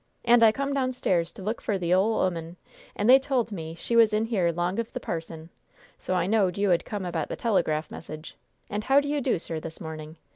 And I come downstairs to look for the ole 'oman, and they told me she was in here 'long of the parson, so I knowed you had come about the telegraph message; and how do you do, sir, this morning?